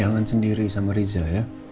jangan sendiri sama riza ya